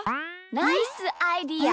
ナイスアイデア！